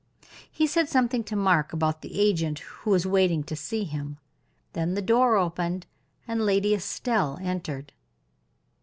He said something to Mark about the agent who was waiting to see him. Then the door opened, and Lady Estelle entered.